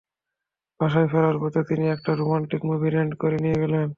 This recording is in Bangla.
বাসায় ফেরার পথে তিনি একটা রোমান্টিক মুভি রেন্ট করে নিয়ে গেলেন।